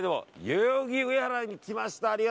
代々木上原に来ました。